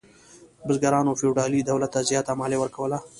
بزګرانو فیوډالي دولت ته زیاته مالیه ورکوله.